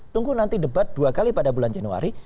tunggu nanti debat dua kali pada bulan januari